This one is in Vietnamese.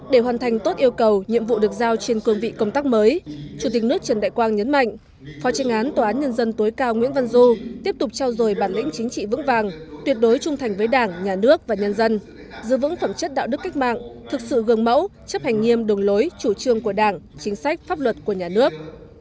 để hoàn thành tốt yêu cầu nhiệm vụ được giao trên cương vị công tác mới chủ tịch nước trần đại quang nhấn mạnh phó tranh án tòa án nhân dân tối cao nguyễn văn du tiếp tục trao dồi bản lĩnh chính trị vững vàng tuyệt đối trung thành với đảng nhà nước và nhân dân giữ vững phẩm chất đạo đức cách mạng thực sự gương mẫu chấp hành nghiêm đường lối chủ trương của đảng chính sách pháp luật của nhà nước